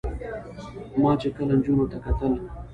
ما چې کله نجونو ته کتل